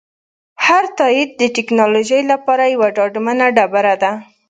هر تایید د ټکنالوژۍ لپاره یوه ډاډمنه ډبره ده.